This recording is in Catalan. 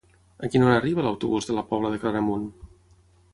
A quina hora arriba l'autobús de la Pobla de Claramunt?